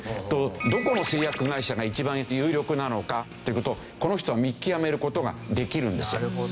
どこの製薬会社が一番有力なのかという事をこの人は見極める事ができるんですよ。